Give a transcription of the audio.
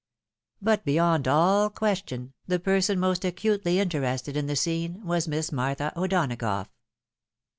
But beyond all question, the person most acutely inte rested in the scene, was Miss Martha O'Donagough.